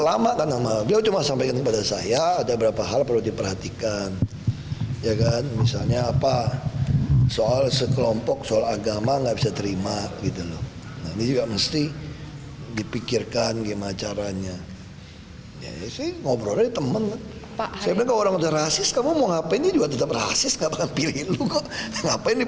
apakah akan menentukan langkah strategis pemenangan pilkada dua ribu tujuh belas